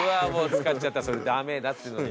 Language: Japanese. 使っちゃったらそれダメだっていうのに。